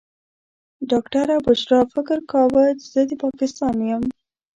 ډاکټره بشرا فکر کاوه زه د پاکستان یم.